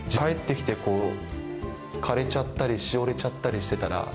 帰ってきて、枯れちゃったり、しおれちゃったりしてたら。